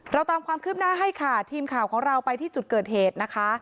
ตามความคืบหน้าให้ค่ะทีมข่าวของเราไปที่จุดเกิดเหตุนะคะ